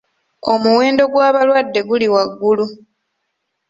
Omuwendo gw'abalwadde guli waggulu.